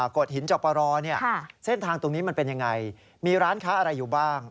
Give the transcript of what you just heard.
โกดหินจกประรอเนี่ยเส้นทางตรงนี้มันเป็นอย่างไรมีร้านค้าอะไรอยู่บ้าง